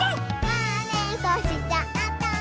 「まねっこしちゃった」